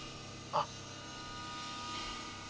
あっ！